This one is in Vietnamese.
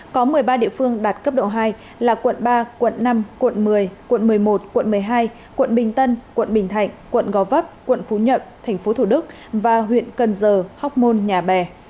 có một mươi ba địa phương đạt cấp độ hai là quận ba quận năm quận một mươi quận một mươi một quận một mươi hai quận bình tân quận bình thạnh quận gò vấp quận phú nhuận tp thủ đức và huyện cần giờ học môn nhà bè